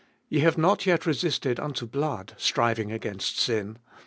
4. Ye have not yet resisted unto blood, striving against sin: 5.